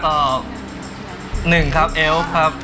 ตอบ๑ครับเอล